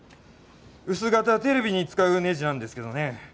薄型テレビに使うねじなんですけどね。